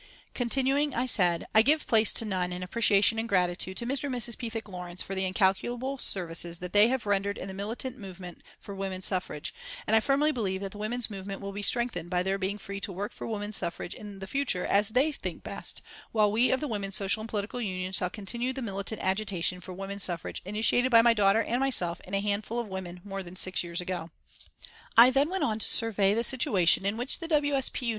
Continuing I said: "I give place to none in appreciation and gratitude to Mr. and Mrs. Pethick Lawrence for the incalculable services that they have rendered the militant movement for Woman Suffrage, and I firmly believe that the women's movement will be strengthened by their being free to work for woman suffrage in the future as they think best, while we of the Women's Social and Political Union shall continue the militant agitation for Woman Suffrage initiated by my daughter and myself and a handful of women more than six years ago." I then went on to survey the situation in which the W. S. P.